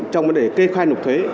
trong vấn đề kê khoai nục thuế